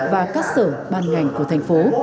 và các sở ban ngành của thành phố